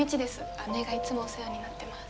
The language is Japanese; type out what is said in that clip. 姉がいつもお世話になってます。